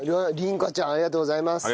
凜佳ちゃんありがとうございます。